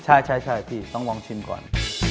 ใช่พี่ต้องลองชิมก่อน